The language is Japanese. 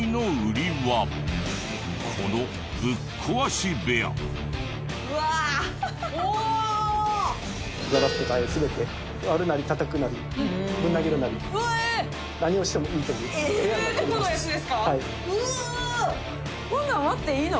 こんなん割っていいの？